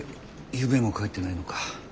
ゆうべも帰ってないのか？